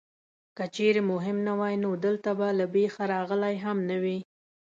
که چېرې مهم نه وای نو دلته به له بېخه راغلی هم نه وې.